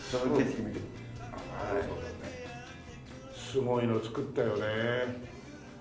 すごいの作ったよね。